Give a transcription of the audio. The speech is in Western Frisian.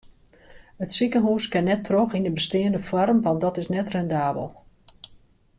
It sikehûs kin net troch yn de besteande foarm want dat is net rendabel.